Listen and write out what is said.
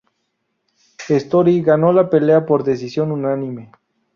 Story ganó la pelea por decisión unánime.